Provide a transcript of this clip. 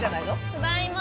ただいま。